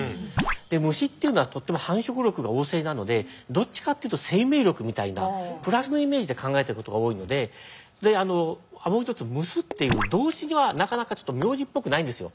で虫っていうのはとっても繁殖力が旺盛なのでどっちかっていうと生命力みたいなプラスのイメージで考えていることが多いのでであのもう一つ「蒸す」っていう動詞はなかなかちょっと名字っぽくないんですよ。